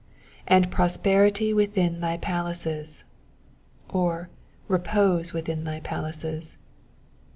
^''And prosperity within thy palaces,''^ or "Repose within thy palaces."